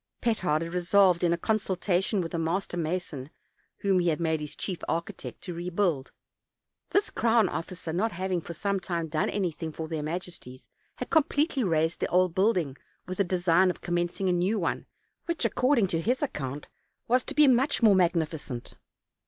Petard had re solved, in a consultation with a master mason, whom he had made his chief architect, to rebuild. This crown officer, not having for some time done anything for their majesties, had completely razed the old building, with the design of commencing a new one, which, according to his account, was to be much more magnificent.